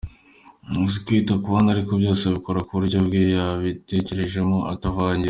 Azi kwita ku bandi ariko byose abikora mu buryo bwe yabitekerejemo atavangiwe.